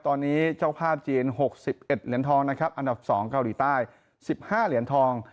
ตอนนี้เจ้าภาพจีน๖๑เหรียญทองนะครับอันดับ๒เกาหลีใต้๑๕เหรียญทอง